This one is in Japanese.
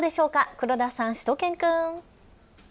黒田さん、しゅと犬くん。